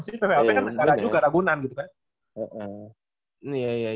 ppop kan negara juga ragunan gitu